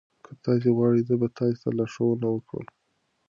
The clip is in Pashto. که تاسي وغواړئ زه به تاسي ته لارښوونه وکړم.